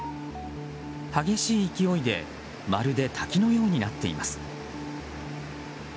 激しい勢いでまるで滝のようになっています。